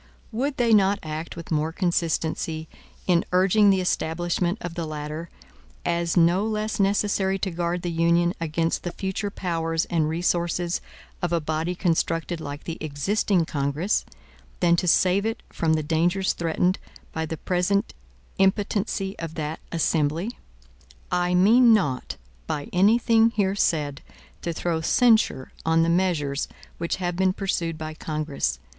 Would they not act with more consistency, in urging the establishment of the latter, as no less necessary to guard the Union against the future powers and resources of a body constructed like the existing Congress, than to save it from the dangers threatened by the present impotency of that Assembly? I mean not, by any thing here said, to throw censure on the measures which have been pursued by Congress.